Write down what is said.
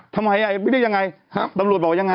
ทำไมวิธียังไงตำรวจบอกว่ายังไง